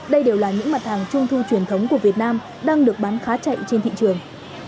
đây đều là những mặt hàng trung thu truyền thống của việt nam đang được bán khá chạy trên thị trường